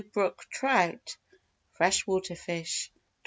Brook Trout (Fresh water fish) 23.